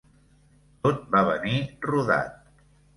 Tot va venir rodat.